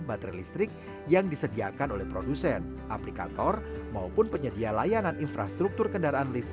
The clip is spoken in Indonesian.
baterai listrik yang disediakan oleh produsen aplikator maupun penyedia layanan infrastruktur kendaraan listrik